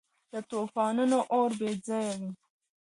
د توپونو اور بې ځایه و.